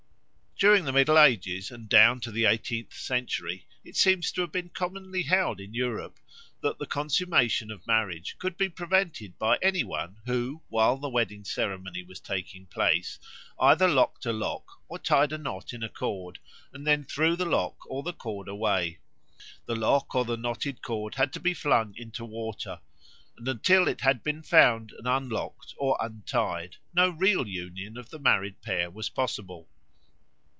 During the Middle Ages, and down to the eighteenth century, it seems to have been commonly held in Europe that the consummation of marriage could be prevented by any one who, while the wedding ceremony was taking place, either locked a lock or tied a knot in a cord, and then threw the lock or the cord away. The lock or the knotted cord had to be flung into water; and until it had been found and unlocked, or untied, no real union of the married pair was possible.